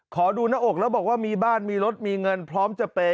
ขอดูหน้าอกแล้วบอกว่ามีบ้านมีรถมีเงินพร้อมจะเปย์